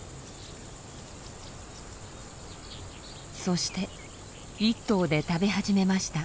そして１頭で食べ始めました。